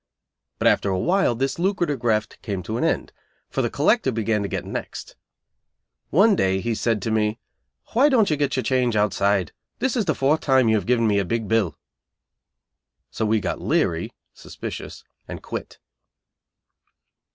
But after a while this lucrative graft came to an end, for the collector began to get "next". One day he said to me, "Why don't you get your change outside? This is the fourth time you have given me a big bill." So we got "leary" (suspicious) and quit.